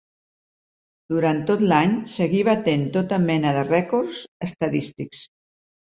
Durant tot l'any seguí batent tota mena de rècords estadístics.